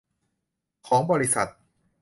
ของบริษัท